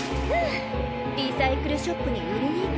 リサイクルショップに売りに行こう。